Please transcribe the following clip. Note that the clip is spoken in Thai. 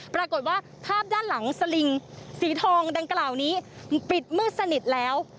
ปรากฏว่าภาพด้านหลังสลิงสีทองดังกล่าวนี้ปิดมืดสนิทแล้ว